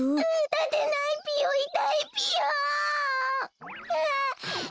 たてないぴよいたいぴよ！